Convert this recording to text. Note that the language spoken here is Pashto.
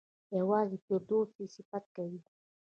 یوازې فردوسي یې صفت کوي.